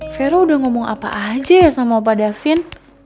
vero udah ngomong apa aja ya sama pak davin